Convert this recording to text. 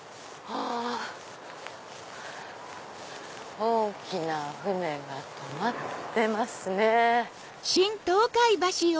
大きな船が止まってますね。